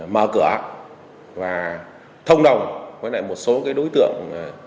mở cửa và thông đồng với lại một số đối tượng